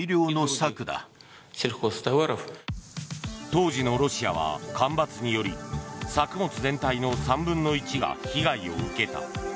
当時のロシアは干ばつにより作物全体の３分の１が被害を受けた。